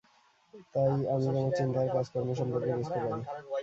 তাই, আমি তোমার চিন্তা আর কাজকর্ম সম্পর্কে বুঝতে পারি।